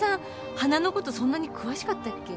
花の事そんなに詳しかったっけ？